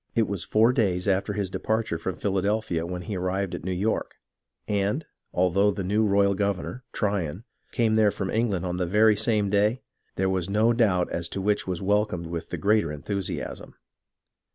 It was four days after his departure from Philadelphia when he arrived at New York, and, although the new royal governor, Tryon, came there from England on the very same day, there was no doubt as to which was welcomed with the greater enthusiasm.